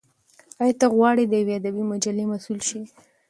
ایا ته غواړې د یوې ادبي مجلې مسول شې؟